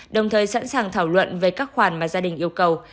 đồng thời sẵn sàng thảo luận về các khoản mà gia đình yêu cầu